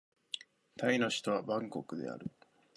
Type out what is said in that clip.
タイの首都はバンコクである